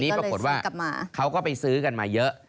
ปรากฏว่าเขาก็ไปซื้อกันมาเยอะ